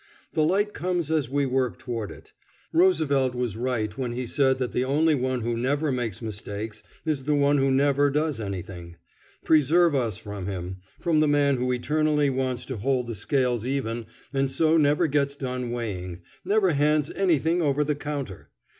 The light comes as we work toward it. Roosevelt was right when he said that the only one who never makes mistakes is the one who never does anything. Preserve us from him; from the man who eternally wants to hold the scales even and so never gets done weighing never hands anything over the counter.